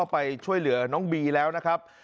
ไปช่วยเหลือน้องบีแล้วนะครับ